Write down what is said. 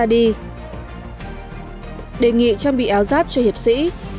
đề nghị trang bị áo giáp cho hiệp sĩ